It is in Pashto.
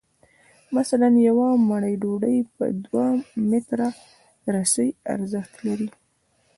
مثلاً یوه مړۍ ډوډۍ په دوه متره رسۍ ارزښت لري